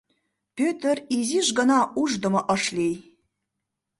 Пӧтыр изиш гына ушдымо ыш лий.